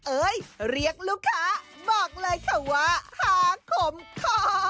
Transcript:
เอ้ยเรียกลูกค้าบอกเลยค่ะว่าหาขมคอ